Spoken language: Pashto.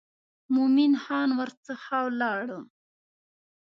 مومن خان ورڅخه ولاړ.